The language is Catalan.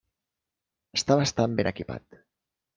Està bastant ben equipat.